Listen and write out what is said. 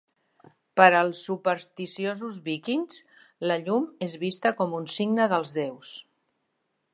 Per als supersticiosos víkings, la llum és vista com un signe dels déus.